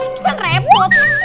itu kan repot